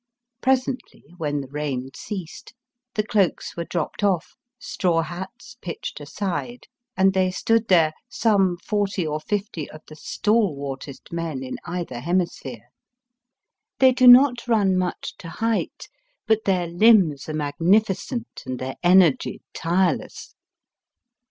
Presently, when the rain ceased, the cloaks were dropped off, straw hats pitched aside, and they stood there some forty or fifty of the stalwartest men in either hemisphere. They do not run much to height, but their limbs are magnificent and their energy tireless.